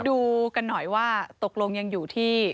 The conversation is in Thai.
ดูกันหน่อยว่าตกลงยังอยู่ที่